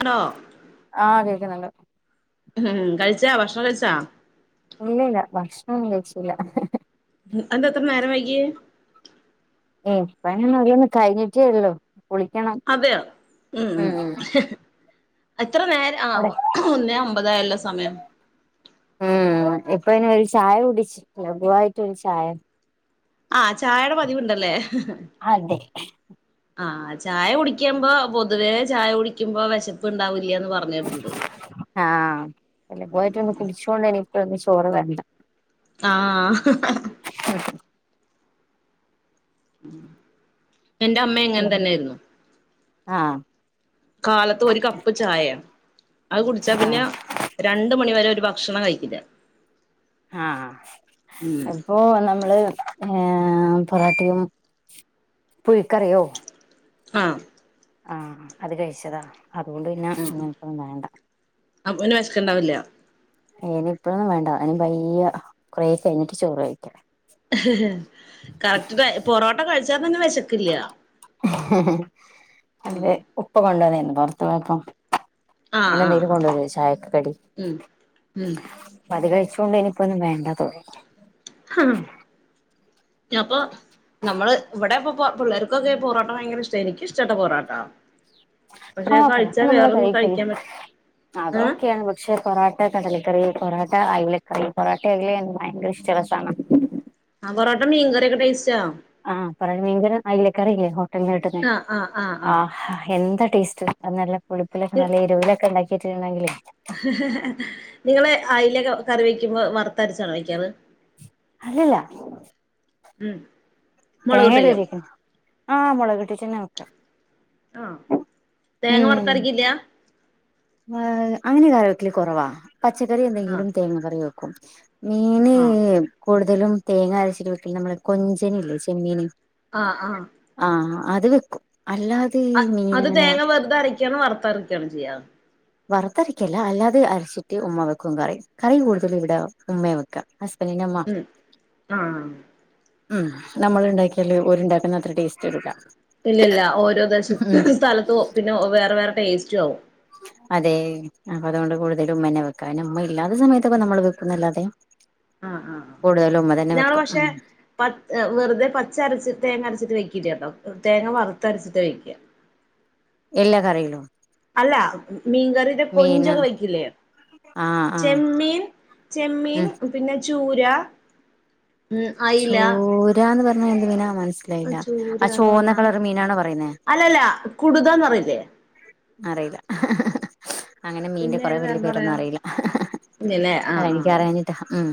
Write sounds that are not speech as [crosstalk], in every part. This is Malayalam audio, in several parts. അണോ ആഹ് കേക്ക്ന്ന്ണ്ട് ഉം കഴിച്ചാ ഭക്ഷണം കഴിച്ചാ? ഇല്ലല്ല ഭക്ഷണൊന്നും കഴിച്ചില്ല എന്താത്ര നേരം വൈകീ വെപ്പങ്ങനോരോന്ന് കയ്ഞ്ഞിട്ടേ ഒള്ളു കുളിക്കണം അതെയോ ഉം ഉം എത്ര നേര ആ അവിടെ ഒന്നേ ഒമ്പതായല്ലൊ സമയം ഉം ഇപ്പങ്ങനെ ഒര് ചായ കുടിച്ചിട്ട് ലഗുവായിട്ടൊരു ചായ ആഹ് ചായടെ പതിവ്ണ്ടല്ലേ അതെ ആഹ് ചായ കുടിക്ക്മ്പോ പൊതുവേ ചായ കുടിക്ക്മ്പോ വിശപ്പ്ണ്ടാവില്ലാന്ന് പറഞ്ഞിട്ട്ണ്ട് ആഹ് ലഗുവായിട്ടൊന്ന് കുടിച്ചോണ്ട് ഇനിയിപ്പൊന്ന് ചോറ് വേണ്ട ആഹ എന്റെ അമ്മ എങ്ങനെ തന്നൊയിരുന്നു ആഹ കാലത്ത് ഒരു കപ്പ് ചായയ അത് കുടിച്ചാ പിന്നെ ആഹ് രണ്ട മണിവരെ ഒരു ഭക്ഷണം കഴിക്കില്ല ആഹ ഉം അ ഓ നമ്മള് പൊറാട്ടും പുഴിക്കറിയോ ആഹ ആഹ അത് കഴിച്ചതാ അതുകൊണ്ട് പിന്ന ഉം ഇങ്ങനപ്പന്നും വേണ്ട അപ്പൊ പിന്ന വിശക്ക ഉണ്ടാവില്ല ്നി ഇപ്പോഴൊന്നും വേണ്ട അനി വയ കുറെേ കഴിഞ്ഞിട്ട് ചോറ് കഴിക്കല കറക്റ്റ് പൊറോട്ട കഴിച്ചാ തന്നെ വിശക്കില്ല അത ഉം ഉപ്പ കൊണ്ടുവന്നന്ന് പുൊറത്തു പോയപ്പം ആഹ് ഇങ്ങനെ ആഹ് എന്തെങ്കിലും ആഹ് കൊണ്ടുവര ചായക്ക കടി ഉം ഉം മതി കഴിച്ചുകൊണ്ട് ഇനിയിപ്പ ഒന്നും വേണ്ടതോന്നും ആഹ അപ്പൊ നമ്മള് ഇവിടെപ്പ പിള്ളേർക്കൊക്കെ പൊറോട്ടം ഭയങ്കര ഇഷ്ട എനക്ക് ഇഷ്ടട്ട പൊറോട്ട പക്ഷെ ആപ്പപ്പ കഴിച്ചാ നമ്മള വേറൊന്നും കഴിക്കല്ല കഴിക്കാൻ പറ്റ ഏഹ് അതൊക്കെയാണ് പക്ഷെ പൊറട്ട കടലക്കറി പൊോട്ട അയലക്കറി പൊറട്ട അലന്ന് ഭയങ്കര ഇഷ്ടുള്ള സാധനം ആഹ്, പൊറോട്ടോ മീൻ കറി ഒക്കെ കയ്ച്ചോ? ആഹ് പറ ഭീങ്കര അയില കറിയില്ലേ ഹോട്ടൽന്ന് കിട്ടുന്ന ആഹ് എന്താ ടേസ്റ്റ്. അത് നല്ല പുളിപ്പിലൊക്കെ നല്ല എരുവിലൊക്കെ ണ്ടാക്കിയിട്ടുണ്ടെങ്കിലേയ് നിങ്ങള് അയിലക്കെ കറി വെക്കുമ്പോ വർത്തര്ച്ചാണോ വയ്ക്കാറ്? അല്ലല്ലാ. ഉം തേങ്ങല്ലേ മൊളകിട്ടയ്യോ [unintelligible] ആഹ് മുളക് ഇട്ടിട്ടന്നെ വെക്കാ. ആഹ്, തേങ്ങ വറത്തരിക്കില്ലാ. ഏ് അങ്ങനെ കറി വെക്കല് കൊറവാ പച്ചക്കറി ആഹ് എന്തെങ്കിലും തേങ്ങക്കറി വെക്കും. മീന് ആഹ് കൂടുതലും തേങ്ങ അരച്ചിട്ട് വെക്കില്ല നമ്മള് കൊഞ്ചന് ഇല്ലേ ചെമ്മീന്. ആഹ് ആഹ് ആഹ് അത് വെക്കും അല്ലാ അത് അത് തേങ്ങ വെർതെ അരക്കാണോ വർത്ത അരക്കാ ണോ ചെയ്യാ. വറുത്തരക്കല്ല അല്ലാതെ അരച്ചിട്ട് ഉമ്മ വെക്കും കറി, കറി കൂടുതലും ഇവിടെ ഉമ്മെയാ വെക്കാ. ഹസ്ബന്റിന്റെ അമ്മ. ഉം ആഹ് ഉം നമ്മള് ഉണ്ടാക്കിയാല് ഒരുണ്ടാക്കുന്ന അത്ര ടേസ്റ്റ് വരൂല. ഇല്ല ഇല്ല ഓരോ ദേശ സ്ഥലത്തോ പിന്നെ വേറെ വേറെ ടേസ്റ്റ് ആവും. അതെ, അപ്പൊ അതൊണ്ട് കൂടുതലും ഉമ്മന്നെ വെക്കാ പിന്നെ ഉമ്മ ഇല്ലാത്ത സമയത്തൊക്കെ നമ്മള് വെക്കുന്നല്ലോതെ ആഹ് ആഹ് ആഹ് കൂടുതലും ഉമ്മ തന്നെ ഞങ്ങള് വെക്കും. പക്ഷെ പ വെറുതെ പച്ചരച്ച് തേങ്ങ അരച്ചിട്ട് വെക്കില്ലാട്ടോ, തേങ്ങ വറുത്ത അരച്ചിട്ട് വയ്ക്ക. എല്ലാ കറയിലും. അല്ല മീൻകറി മീന് കൊഞ്ചൊക്കെ വെക്കില്ലേ, ആഹ് ആഹ് ചെമ്മീൻ ചെമ്മീൻ പിന്നെ ചൂര ഉ അയില. ഇരാന്ന് പറഞ്ഞ എന്ത് മീനാ മനസ്സിലായില്ല, ആ ചൂരാന്ന് ചോന്ന പറഞ്ഞാ കളർ മീനാണോ പറയുന്നേ? അല്ലല്ല കുടുതാന്ന്റിയില്ലേ. അറിയില്ല. അങ്ങനെ മീന്റെ കൊറെ വല്യയ പേരൊന്നും അറിയില്ല, ഇല്ലല്ലേ അത ആഹ് എനിക്കറിയാനിട്ടാ ഉം.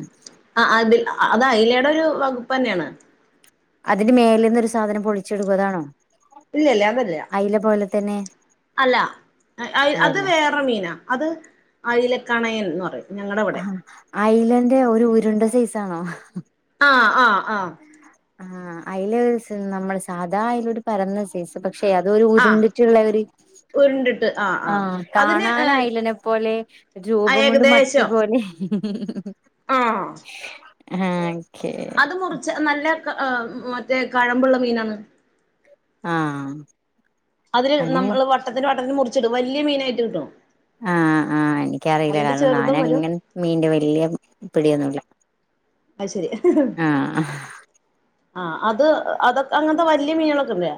ആഹ് അതി അ അത് അയിലേടെ ഒരു വകുപ്പ് ന്നെയേണ്. അതിന്റെ മേലന്നൊരു സാധനം പൊളിച്ചെടുക്കുകതാണോ? ഇല്ല ഇല്ലേ അതല്ല. അയില പോലെ തന്നെ. അല്ല അ അത് അതല്ല വേറെ മീനാ, അത് അയ്ലക്കണയൻന്ന് പറയും. ഞങ്ങടെ ഇവിടെ ഹാ ഐല ൻ്റെ ഒരു ഉരുണ്ട സൈസാണോ? ആഹ് ആ ആ. ആഹ് അയില് സ് നമ്മൾ സാധാ അയിലൊരു പരന്ന പക്ഷെ അതൊരു ആഹ് ഉരുണ്ടിട്ടുള്ള ഒര് ആഹ് കാണാനായിലനേ പോലെ രൂപം കൊണ്ട് മത്തി ഏകദേശം പോലെ. ഹ് ഹ് ആഹ്. ആഹ് അത് മുറിച്ച നല്ല ഹ് മറ്റേ കഴമ്പുള്ള മീനാണ്. ആഹ് അതില് നമ്മള് വട്ടത്തിന് വട്ടത്തിന് മുറിച്ചടും വലിയ മീനായിട്ട് കിട്ടും. ആഹ് ആഹ് എനിക്കറിയില്ല അതിന്റെ കാരണം ഞാന ചെറുതും വരും അങ്ങനെ മീന്റെ വല്ല്യ പിടിയൊന്നുല്ല. അയ് ശെരി. ആഹ് ആഹ് അത് അതൊക്കെ അങ്ങൻത്തെ വലിയ മീനുകളൊക്കെല്ലേ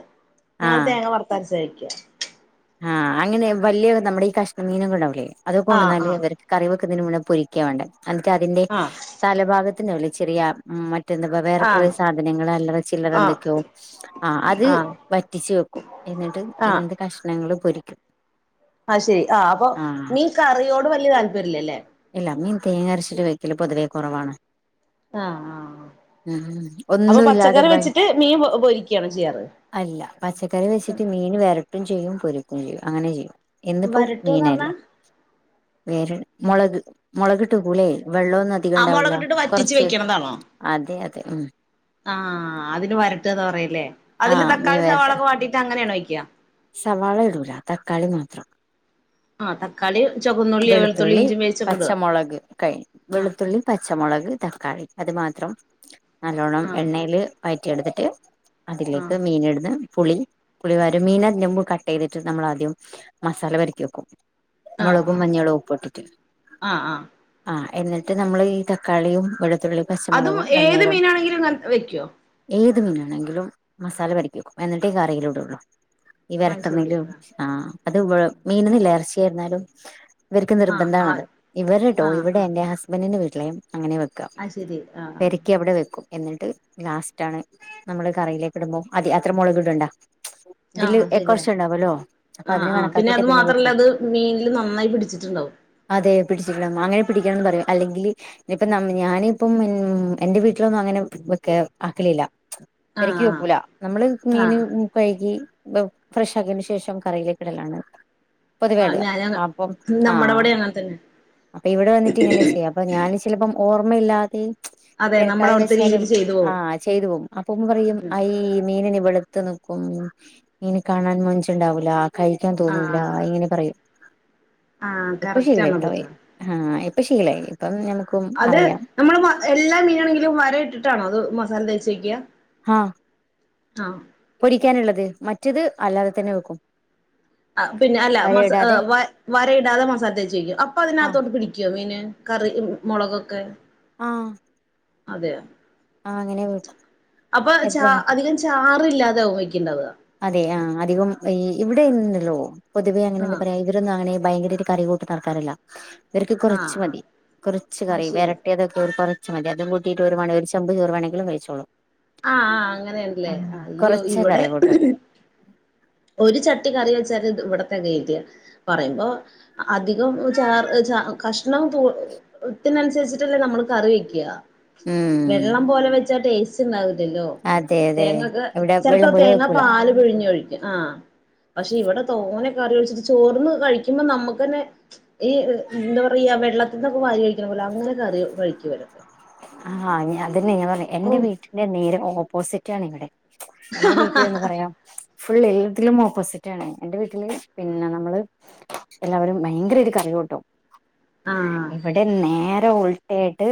ഞങ്ങൾ ആഹ് തേങ്ങ വറ പരിചയയിട്ടില്ല. ആഹ് അങ്ങനെ വല്ല്യ നമ്മടെ ഈ കഷ്ണമീനൊക്കെ ണ്ടാവൂലേ, അത് ആഹ് കൊണ്ടുന്നാല് ആഹ് ഇവര് കറി വെക്കുന്നതിന് മുന്നേ പൊരിക്കാ വേണ്ടേഎന്നിട്ട് അതിന്റെ ആഹ് തലഭാഗത്തണ്ടാവൂലെ ചെറിയ ഉം മറ്റെന്താപ്പ വേറെ കുറെ ആഹ് സാധനങ്ങള് അല്ല ചിലരെ ആഹ് എന്തൊക്കൊയൊ ആഹ് അത് വറ്റിച്ചു വെക്കും എന്നിട്ട് ആഹ് ഇങ്ങനത്തെ കഷ്ണങ്ങൾ പൊരിക്കും ആഹ്ശരി ആഹ് അപ്പൊ ആഹ് മീൻ കറിയോട് വല്ല്യ താല്പര്യല്ല അല്ലെ ഇല്ല മീൻ തേങ്ങ അരച്ചിട്ട് വെക്കല് പൊതുവേ കുറവാണ് ആഹ് ആഹ് ഉം അപ്പൊ ഒന്നും പച്ചക്കറി ഇല്ലാതെ വെച്ചിട്ട് മീൻ പൊ പൊരിക്കയാണോ ചെയ്യാറ് അല്ല പച്ചക്കറി വെച്ചിട്ട് മീൻ വെരട്ടും ചെയ്യും പൊരുക്കും ചെയ്യും അങ്ങനെ ചെയ്യും എന്നിപ്പോ വരട്ടുന്ന് മീനല്ല പറഞ്ഞാ വേറെ മൊളക് മൊളകിട്ട് വെക്കുലെ വെള്ള ഒന്ന് ആഹ് ണ്ടാവൂല്ല മുളകിട്ടിട്ട് വറ്റിച്ച് കൊറച്ച് വെക്കണതാണോ അതെ അതെ ഉം ആഹ് അതിന് വരട്ടന്താ പറല്ലേ അതില് ആഹ് മീൻ തക്കാളി വരട്ട സവാളൊക്കെ വാട്ടീയിട്ട് അങ്ങനെയാണോ വയ്ക്കാ സവാള ഇടൂല തക്കാളി മാത്രം ആഹ് തക്കാളി ചുവന് വെളുത്തുള്ളി പച്ചമുളക് കൈ ആഹ് വെളുത്തുള്ളി പച്ചമുളക് തക്കാളി അത് മാത്രം നല്ലോണ്ണം ആഹ് എണ്ണയില് വയറ്റിയെടുത്തിട്ട് ആഹ് അതിലേക്ക് മീൻ ഇടുന്ന് പുളി പുളി പാരും മീനതിന് മ്പ് കട്ട് ചെയ്തിട്ട് നമ്മൾ ആദ്യം മസാല പെരട്ടി വെക്കും ആഹ് മൊളകും ആഹ് മഞ്ഞളും ഒപ്പട്ടിട്ട് ആഹ് ആഹ് ആഹ് എന്നിട്ട് നമ്മള് ഈ തക്കാളിയും വെളുത്തുള്ളി അതും പച്ചമുളകും ഏത് എണ്ണയിലും മീനാണെങ്കിലും ന വെക്കോ ഏത് മീനാണെങ്കിലും മസാല പെരട്ടി വെക്കും എന്നിട്ടേ ഈ കറിലിടൊള്ളു ഈ അത് ശരി വെരട്ടുന്നിലും ആഹ് അത് മീനുന്നില്ല എറച്ചിയായിരുന്നാലും ഇവർക്ക് ആഹ് നിർബന്ധണത് ഇവർ ട്ടോ ആഹ് ഇവിടെ ആഹ് എന്റെ ഹസ്ബൻഡിന്റെ വീട്ടിലെ അങ്ങനെ വെ അത് ശരി ആഹ് പെരക്കി അവിടെ വെക്കും എന്നിട്ട് ലാസ്റ്റ് ആണ് നമ്മള് കറയിലേക്ക് ഇടുമ്പോ അതി അത്ര മൊളക് ഇടണ്ട ആഹ് ഇതില് ആഹ് എ ശരിയാ കൊറച്ച് ഉണ്ടാവൊല്ലോ അപ്പൊ ആഹ് അതിന് ആഹ് കണക്കാക്കിട്ട് അത് പിന്നെ മാത്രല്ല വെക്കോളു അത് മീനില് നന്നായി പിടിച്ചിട്ടുണ്ടാവും അതെ പിടിച്ചില്ല മ്മുഅങ്ങനെ പിടിക്കണംന്ന് പറയും അല്ലെങ്കി ഇനിയിപ്പ ഞാന ഇപ്പം ഉം എൻറെ വീട്ടിലൊന്നും അങ്ങനെ വെക്ക ആക്കലില്ല ആഹ് വെരക്കി ആഹ് വെക്കൂല നമ്മള് മീന് ആഹ് കഴുകി ഫ്രഷാക്കിയനു ശേഷം കറിയിലേക്ക് ഇടലാണ് പൊതുവേട ആഹ് ഞാനങ്ങ് അപ്പം നമ്മടെ ആഹ് അവിടെ അങ്ങനെ തന്നെ അപ്പൊ ഇവിടെ വന്നിട്ട് ഇങ്ങനെ ചെയ്യാം അപ്പൊ ഞാൻ ചിലപ്പോം ഓർമ്മയില്ലാതെ അതെ നമ്മള പെരക്കാത്ത് അവിടുത്തെ വെച്ചാലും രീതിൽ ചെയ്തു പോകും ആഹ് ചെയ്തു പോകും അപ്പ പറയും മീനിന് വെളുത്തു നിക്കും. മീന് കാണാൻ മൊഞ്ചുണ്ടാവൂല കഴിക്കാൻ തോന്നൂല ആഹ് ഇങ്ങനെ പറയും ആഹ് ഇപ്പൊ കറക്റ്റ് ശീലമായി ആണത് കേട്ടോ ട്ടോ ആഹ് ഇപ്പൊ ശീലമായി ഇപ്പം നമുക്കും അത് അറിയാം നമ്മള് എല്ലാ മീന് ആണെങ്കിലും വര ഇട്ടിട്ടാണോ അത് മസാല തേച്ച് തേച്ച് വയ്ക്ക. ആഹ് ആഹ് പൊടിക്കാനുള്ളത് മറ്റത് അല്ലാതെ തന്നെ വെക്കും പിന്നെ അല്ല വര മസ ഇടാതെ വരയിടാതെ മസാല തേച്ച് വയ്ക്കും അപ്പൊ ആഹ് അതിനകത്തോട്ട് പിടിക്കുവോ മീനിന് കറിയും മുളകൊക്കെ ആഹ് അതെയാ ആഹ് അങ്ങനെ വെക്കും അപ്പൊ എപ്പഴും ചാർ വെക്കും അധികം ചാറില്ലാതെ ആവും വെക്കുണ്ടാവുക അതെ ആഹ് അധികം ഈ ഇവിടെയുണ്ടല്ലോ പൊതുവേ അങ്ങനെ എന്താ പറയാ ഇവരൊന്നും അങ്ങനെ ഭയങ്കര കറി കൂട്ടുന്നാൾക്കാരല്ല ഇവർക്ക് ആഹ് കുറച്ച് ആഹ് മതി കുറച്ച് അത് കറി ശരി വരട്ടിയ അതൊക്കെ അത് മതി അത് കൂട്ടിട്ട് ഓരു വേണമെങ്കിൽ ഒരു ചെമ്പ് ചോറെങ്കിലും കഴിച്ചോളും ആഹ് ആഹ് അങ്ങനെയല്ലേ ആഹ് അയ്യോ കൊറച്ചേ ഇവിടെ. കറി കൂട്ടും ഒരു ചട്ടി കറി വെച്ചാല് ഇവിടത്തന്നെ എത്തില്ല പറയുമ്പോ അധികം ചാറ് ചാർ. കഷണം തൊ പുട്ടിനനുസരിച്ചിട്ടല്ലേ നമ്മൾ കറി വെയ്ക്ക ഉം വെള്ളം പോലെ വെച്ചാ ടേസ്റ്റ് ഉണ്ടാവില്ലല്ലോ അതെ അതെ തേങ്ങക്ക്. ഇവിടെ ചെലപ്പോ വെള്ളം പോലെ തേങ്ങാ വെക്കൂല പാല് പിഴിഞ്ഞ് ഒഴിക്കും. ആഹ് പക്ഷെ ഇവിടെ തോന കറി ഒഴിച്ചിട്ട്, ചോറിന് കഴിക്കുമ്പോ നമ്മുക്കന്നെ ഈ എന്താ പറയാ വെള്ളത്തിന്നൊക്കെ വാരി കഴിക്കണ പോലെ അങ്ങനെ കറി കഴിക്ക വരും. ആഹ് അതാ ഞാൻ പറഞ്ഞ. എന്റെ ഓഹ് വീട്ടിന്റെ നേര ഓപ്പോസിറ്റ് ആണ് ഇവിടെ എന്റെ വീട്ടില് എന്താ പറയാ, ഫുൾ എല്ലതിലും ഓപ്പോസിറ്റ് ആണ് എന്റെ വീട്ടില് പിന്നെ നമ്മള് എല്ലാവരും ഭയങ്കരായി കറി കൂട്ടും ആഹ് ഇവിടെ നേര ഉൾട്ട ആയിട്ട്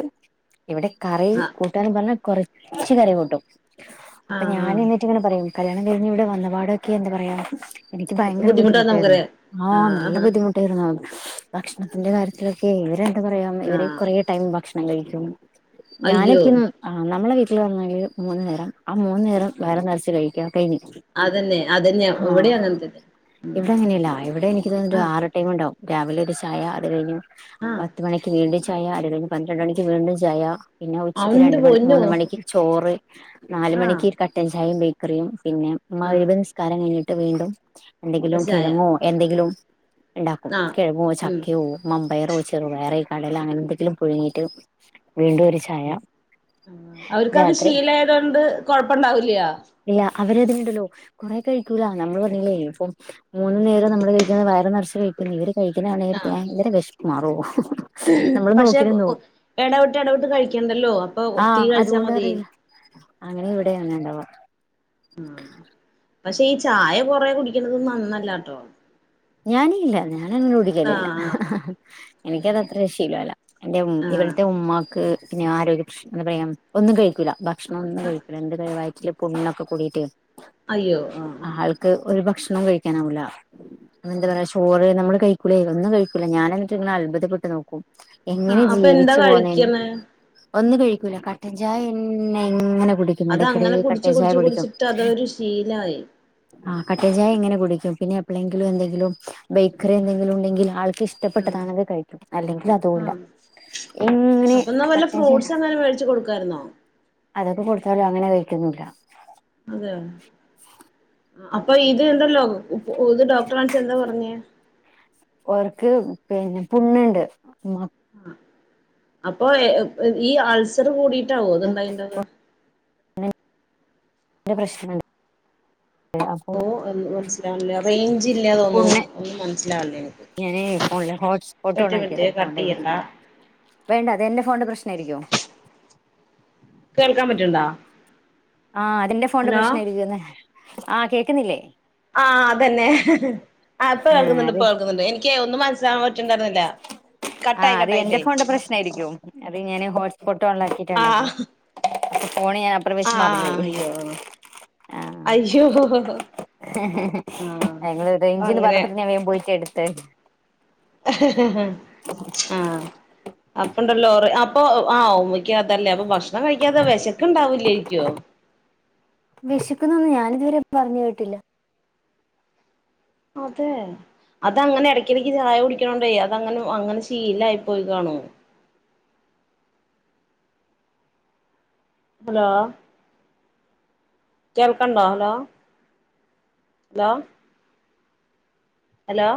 ഇവിടെ കറി ആഹ് കൂ ഇവിടന്ന് പറഞ്ഞാ കൊറച്ച് കറി കൂട്ടും ആഹ് അപ്പൊ ഞാൻ ആഹ് എന്നിട്ട് ഇങ്ങനെ പറയും കല്യാണം കഴിഞ്ഞ് ഇവിടെ വന്നപാടൊക്കെ എന്താ പറയാ എനിക്ക് ഭയങ്കര ബുദ്ധിമുട്ടാന്ന് ബുദ്ധിമുട്ടായിരുന്നു. നമുക്കറിയാം ആ നല്ല ആഹ് ആഹ് ബുദ്ധിമുട്ട് ഭക്ഷണത്തിന്റെ കാര്യത്തിലൊക്കെ ഇവരെന്താ പറയാ ഇവര് ആഹ് ടൈമിന് ഭക്ഷണം കഴിക്കും അയ്യോ ഞാനൊക്കെ ആഹ് നമ്മള വീട്ടിൽ ആണെങ്കിൽ മൂന്നു നേരം, ആ മൂന്നു നേരം വയറ് നിറച്ച് കഴിക്ക കഴിഞ്ഞ്. അതന്നെ അതന്നെ ആഹ് ഇവിടെയും അങ്ങനെ തന്നെ ഉം ഇവിടെ അങ്ങനെയല്ല ഇവിടെ എനിക്ക് തോന്നി ആഹ് ആ ടൈം ഉണ്ടാവും. രാവിലെ ഒരു ചായ അത് കഴിഞ്ഞു. ആഹ് പത്ത് മണിക്ക് വീണ്ടും ചായ, അത് കഴിഞ്ഞ് പന്ത്രണ്ട് മണിക്ക് വീണ്ടും ചായ പിന്നെ ഉച്ചക്ക് രണ്ട് അവന്റെ മണി പൊന്നോ മൂന്ന് മണിക്ക് ചോറ്, നാല് ആഹ് മണിക്ക് ക ചായയും ബേക്കറിയും പിന്നെ ആഹ് മഗ്‌രിബ് നിസ്കാരം കഴിഞ്ഞിട്ട് വീണ്ടും ഒരു എന്തെങ്കിലും ചായ കിഴങ്ങോ എന്തെങ്കിലും ഉണ്ടാക്കും ആഹ് കിഴങ്ങോ ഉം ചക്കയോ മമ്പയറോ ചെറുപയറോ അങ്ങനെ എന്തെങ്കിലും പുഴുങ്ങിയിട്ട് വീണ്ടും ഒരു ചായ അവർക്കത് രാത്രി ശീലായതൊണ്ട് കൊഴപ്പുണ്ടാവില്ല. അല്ല അവരതിനുണ്ടല്ലോ കൊറെ കഴിക്കൂല നമ്മള് പറഞ്ഞില്ലേ ഇപ്പം മൂന്നു നേരം നമ്മള് കഴിക്കുന്നത് വയറ് നിറച്ച് കഴിക്കുന്നു ഇവര് കഴിക്കണാണെങ്കിൽ ഭയങ്കര വിശപ്പ് വിഷപ്പ് മാറോ പക്ഷെ ഇടവിട്ട് ഇടവിട്ട് കഴിക്ക്ണ്ടല്ലോ, അപ്പൊ ഇത്തിരി ആഹ് കഴിച്ചാ അതുകൊണ്ട് മതിയേ അറിയില്ല അങ്ങനെ ഇവിടെ അങ്ങനെ ഉണ്ടാവ ആഹ് പക്ഷെ ഈ ചായ കൊറേ കുടിക്കണത നന്നല്ലട്ടോ. ഞാനില്ല ഞാനങ്ങെ കുടിക്കലില്ല ആഹ് ആഹ് എനിക്കതത്ര ക്ഷീലല്ല. എന്റെ ഉ ആഹ് ഇവിടുത്തെ ഉമ്മാക്ക് പിന്നെ ആരോഗ്യ പ്ര്രശ്നം എന്താ പറയാ ഒന്നും കഴിക്കൂല. ഭക്ഷണം ഒന്നും കഴിക്കില്ല എന്റെ വയറ്റിൽ പുണ്ണൊക്കെ കൂടിയിട്ട്. അയ്യോ ആഹ് ആഹ് ആൾക്ക് ഒരു ഭക്ഷണം കഴിക്കാനാവില്ല എന്താ ആഹ് പറ ചോറ് നമ്മള് കഴിക്കൂല ഒന്നും കഴിക്കൂില്ല ഞാന്എന്നിട് ഇങ്ങനെ അത്ഭുതപ്പെട്ട് നോക്കും. എങ്ങനെ ആഹ് അപ്പൊ എന്താ ജീവിച്ചു പോന്നേ കഴിക്കണേ ഒന്നും കഴിക്കൂല കട്ടൻ ചായ എന്നെ എങ്ങനെ കുടിക്കും. മെടക്കറി അതങ്ങനെ കുടിച്ച് കട്ടൻ ചായ കുടിച്ച് കുടിക്കും. കുടിച്ചിട്ട് അതൊരു ശീലായി ആ കട്ട ചായ എങ്ങനെ കുടിക്കും പിന്നെ എപ്പഴെങ്കിലും എന്തെങ്കിലും ബേക്കറി എന്തെങ്കിലും ഉണ്ടെങ്കിൽ ആൾക്ക് ഇഷ് ആഹ് ഇഷ്ടപ്പെട്ടതാണെങ്കിൽ കഴിക്കും അല്ലെങ്കിൽ അതുമല്ല. ആഹ് എങ്ങനെ കട്ട പഠിച്ച കൊടുക്കായിരുന്നോ. അതൊക്കെ കൊടുത്താലും അങ്ങനെ കഴിക്കന്നുല്ല. അതെ അപ്പൊ ഇത്ഉണ്ടല്ലോ ഇത് ഡോക്ടറെ കാണിച്എന്താ പറഞ്ഞേ. ഓർക്ക് പിന്നെ പുണ്ണ് ണ്ട്. ആഹ് അപ്പൊ ഈ ആൾസർ കൂടിട്ടാവോ ഉണ്ടായിട്ട്ണ്ടാവാ. എന്റെ പ്രശ്നണ്ട്. [inaudible] കഴിഞ്ഞ മാസം ഓമനസ്സിലാവില്ലേ റേഞ്ച് ഇല്ലേ തോന്നുന്നു ഒന്നും മനസ്സിലാവില്ലേ എനിക്ക്. ഞാനൻ ഫോണില് ഒറ്റ മിനിറ്റ് ഹോട്ട്സ്പോട്ടോണാക്കിയതാ കട്ട് അതുകൊണ്ടായിരിക്കും. ചെയ്യണ്ട വേണ്ട അത് എന്റെ ഫോണിന്റെ പ്രശ്ന ആയിരിക്കോ. കേൾക്കാൻ പറ്റ്ണ്ടോ. ആഹ് അതിന്റെ ഫോണിന്റെ പ്രശ്ന രിക്കന്ന ആഹ് കേക്കുന്നില്ലേ. ആഹ് അതന്നെ ഹ്ഹ്. ആഹ് ഇപ്പൊ കേൾക്കുന്നുണ്ട് ഇപ്പൊ കേൾക്കുന്നുണ്ട് എനിക്ക് ഒന്നും മനസിലാക്കാൻ പറ്റിണ്ടായിരുന്നില്ല. ആഹ് അത് എന്റെ ഫോണിന്റെ പ്രശ്ന ആരിക്കും അത് ഞാന് ഹോട്ട്സ്പോട്ട് ഓണാക്കിയിട്ടുണ്ടാക്കി. ആഹ് പോണ ഞാനാ അ പൊ. ആഹ് അ ഹ് അയ്യോ അയ്യോ. ഞങ്ൾ അപ്പൊ റേഞ്ചിന്ന് അങ്ങനെ പറഞ്ഞപ്പോ ഞാൻ വേഗം പോയട്ട് എടുത്ത്. ഹ് ഹ് ഹ്ആഹ് അപ്പണ്ട ലോറി അപ്പൊ ആഓ ക്കതല്ലേ അപ്പൊ ഭക്ഷണം കഴിക്കാതെ വിശക്ണ് ഉണ്ടാവില്ലായിരിക്കോ. വിഷിക്കുന്നൊന്നും ഞാനിതുവരെ പറഞ്ഞു കേട്ടില്ല. അതെ അത അങ്ങനെ ഇടയ്ക്കിടയ്ക്ക് ചായ കുടിക്കണോണ്ടയി അതങ്ങനെ അങ്ങനെ ശീലായി പോയി കാണും. ഹലോ കേൾക്കണ്ടോ ഹലോ ഹലോ ഹലോ